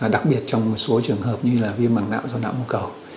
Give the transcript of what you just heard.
đặc biệt trong một số trường hợp như là viêm mảng não do não mông cầu